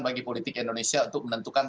bagi politik indonesia untuk menentukan